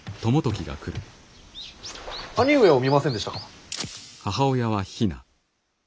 兄上を見ませんでしたか？